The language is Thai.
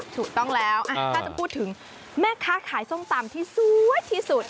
ถูกต้องแล้วถ้าจะพูดถึงแม่ค้าขายส้มตำที่สวยที่สุด